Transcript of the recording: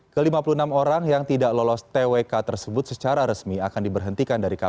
ke lima puluh enam orang yang tidak lolos twk tersebut secara resmi akan diberhentikan dari kpk